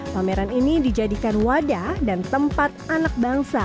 pameran ini dijadikan wadah dan tempat anak bangsa